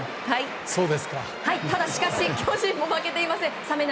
ただしかし巨人も負けてはいません。